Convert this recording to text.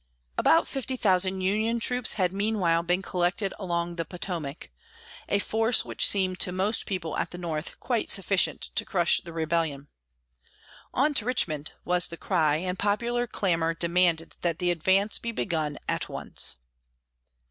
About fifty thousand Union troops had meanwhile been collected along the Potomac a force which seemed to most people at the North quite sufficient to crush the rebellion. "On to Richmond!" was the cry, and popular clamor demanded that the advance be begun at once.